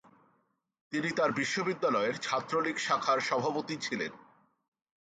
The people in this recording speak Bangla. তিনি তার বিশ্ববিদ্যালয়ের ছাত্রলীগ শাখার সভাপতি ছিলেন।